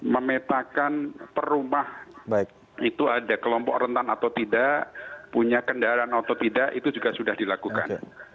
memetakan per rumah itu ada kelompok rentan atau tidak punya kendaraan atau tidak itu juga sudah dilakukan